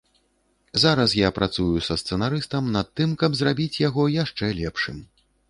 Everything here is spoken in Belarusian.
Зараз я працую са сцэнарыстам над тым, каб зрабіць яго яшчэ лепшым.